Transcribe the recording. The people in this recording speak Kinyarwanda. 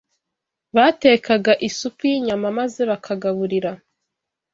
Batekaga isupu y’inyama, maze bakagaburira